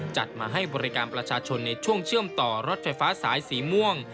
จัดมาให้บริการประชาชนในช่วงเชื่อมต่อรถไฟฟ้าสายสีม่วง